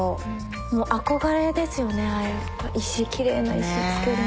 もう憧れですよねああいう石きれいな石つけるの。